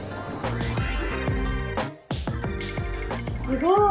すごい！